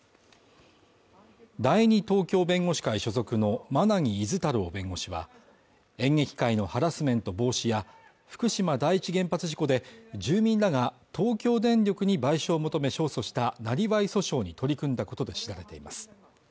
第二東京弁護士会所属の馬奈木厳太郎弁護士は、演劇界のハラスメント防止や福島第一原発事故で住民らが東京電力に賠償を求め勝訴した生業訴訟に取り組んだことで知られています。